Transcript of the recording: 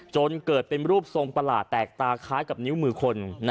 จนเกิดเป็นรูปทรงประหลาดแตกตาคล้ายกับนิ้วมือคน